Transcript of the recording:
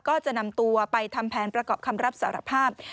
ก็จะนำตัวไปทำแผนประกอบคำรับสารภาพ